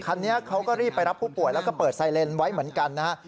คันนี้เขาก็รีบไปรับผู้ป่วยแล้วก็เปิดไซเลนไว้เหมือนกันนะฮะ